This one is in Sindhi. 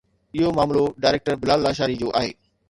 اهو معاملو ڊائريڪٽر بلال لاشاري جو آهي